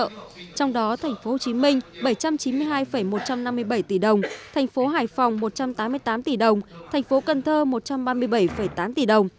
trong đó thành phố hồ chí minh bảy trăm chín mươi hai một trăm năm mươi bảy tỷ đồng thành phố hải phòng một trăm tám mươi tám tỷ đồng thành phố cần thơ một trăm ba mươi bảy tám tỷ đồng